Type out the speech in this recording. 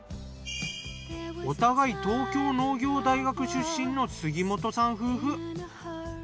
お互い東京農業大学出身の杉本さん夫婦。